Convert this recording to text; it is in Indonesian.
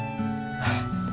terima kasih dokter